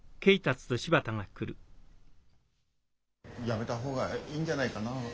やめた方がいいんじゃないかな。